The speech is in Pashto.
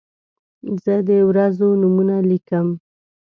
زه د ورځو نومونه لیکم.